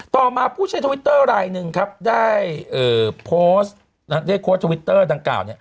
ต่อมาผู้ใช้ทวิตเตอร์รายหนึ่งครับได้โพสต์ได้โพสต์ทวิตเตอร์ดังกล่าว